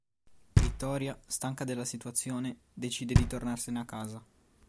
Vittoria, stanca della situazione, decide di tornarsene a casa.